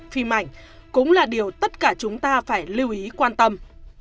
phim ảnh cũng là điều tất cả chúng ta phải lưu ý quan tâm